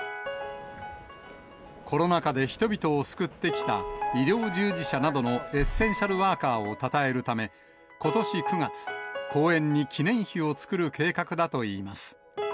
コロナ禍で人々を救ってきた医療従事者などのエッセンシャルワーカーをたたえるため、ことし９月、公園に記念碑を作る計画だといいます。